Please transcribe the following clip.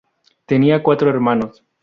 Tenía cuatro hermanos.